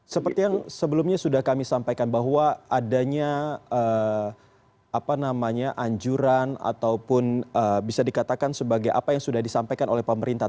seperti yang sebelumnya sudah kami sampaikan bahwa adanya anjuran ataupun bisa dikatakan sebagai apa yang sudah disampaikan oleh pemerintah